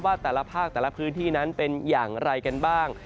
แต่ละภาคแต่ละพื้นที่นั้นเป็นอย่างไรกันบ้าง